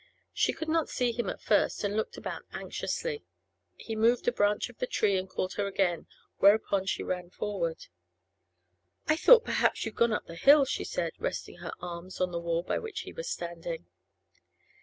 She could not see him at first, and looked about anxiously. He moved a branch of the tree and again called her; whereupon she ran forward. 'I thought perhaps you'd gone up the hill,' she said, resting her arms on the wall by which he was standing.